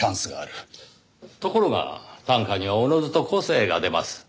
ところが短歌にはおのずと個性が出ます。